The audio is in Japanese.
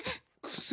薬？